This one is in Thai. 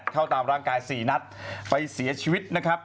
เข้าตามร่างกาย๔นัดไปเสียชีวิตนะครับ